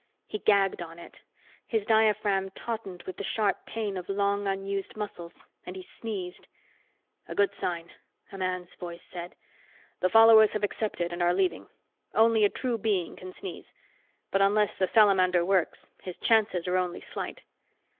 He gagged on it. His diaphragm tautened with the sharp pain of long unused muscles, and he sneezed. "A good sign," a man's voice said. "The followers have accepted and are leaving. Only a true being can sneeze. But unless the salamander works, his chances are only slight."